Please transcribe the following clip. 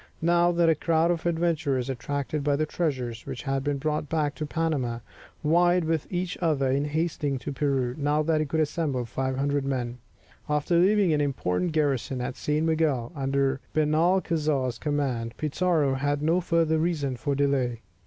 Now that a crowd of adventurers, attracted by the treasures which had been brought back to Panama, vied with each other in hastening to Peru, now that he could assemble 500 men after leaving an important garrison at San Miguel under Benalcazar's command, Pizarro had no further reason for delay.